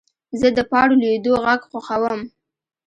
زه د پاڼو لوېدو غږ خوښوم.